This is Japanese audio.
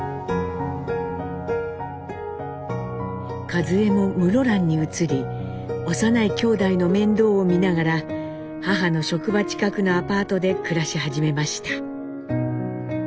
和江も室蘭に移り幼いきょうだいの面倒を見ながら母の職場近くのアパートで暮らし始めました。